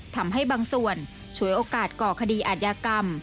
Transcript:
ทำให้บางส่วนฉวยโอกาสก่อคดีอาจยากรรม